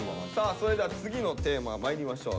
それでは次のテーマまいりましょう。